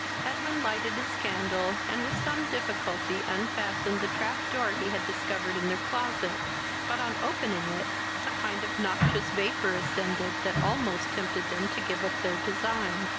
Edwin lighted his candle, and with some difficulty unfastened the trap door he had discovered in their closet; but, on opening it, a kind of noxious vapour ascended, that almost tempted them to give up their design.